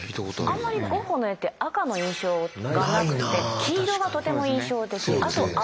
あんまりゴッホの絵って赤の印象がなくて黄色がとても印象的あと青ですよね。